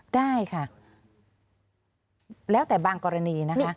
ได้ค่ะแล้วแต่บางกรณีนะคะ